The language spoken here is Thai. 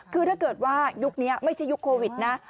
คือถ้าเกิดว่ายุคนี้ไม่ใช่ยุคโควิดนะ